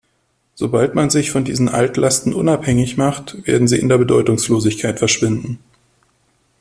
Sobald man sich von diesen Altlasten unabhängig macht, werden sie in der Bedeutungslosigkeit verschwinden.